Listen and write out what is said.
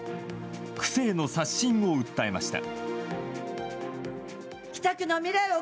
区政の刷新を訴えました。